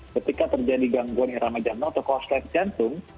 ketika terjadi gangguan irama jantung atau korslet jantung